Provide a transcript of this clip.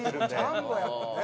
「ジャンボ」やもんね。